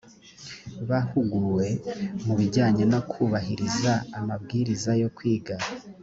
bahuguwe mu bijyanye no kubahiriza amabwiriza yo kwiga